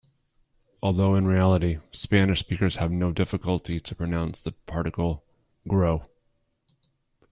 Although in reality Spanish speakers have no difficulty to pronounce the particle 'gro'.